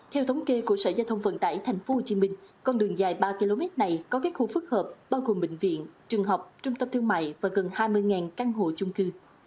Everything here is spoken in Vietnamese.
theo thống kê của sở gia thông vận tải thành phố hồ chí minh con đường dài ba km này có các khu phức hợp bao gồm bệnh viện trường học trung tâm thương mại và gần hai mươi căn hộ chung cư